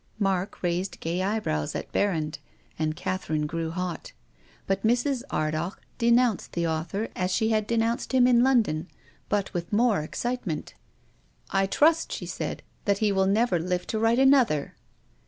Mark raised gay eyebrf)ws at Berrand and Cath erine grew hot. For Mrs. Ardagh denounced the a\ithor as she had denounced him in London, but with more excitement. 156 TONGUES OF CONSCIENCE. " I trust," she said, " that he will never live to write another."